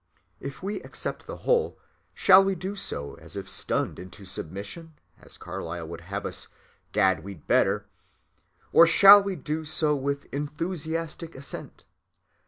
If we accept the whole, shall we do so as if stunned into submission,—as Carlyle would have us—"Gad! we'd better!"—or shall we do so with enthusiastic assent?